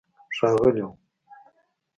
ښاغلیو